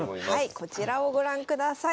こちらをご覧ください。